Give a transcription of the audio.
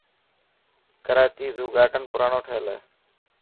ڪراچي زو گارڊن پراڻو ٺهيل هي.